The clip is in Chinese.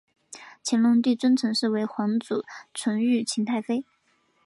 乾隆帝尊陈氏为皇祖纯裕勤太妃。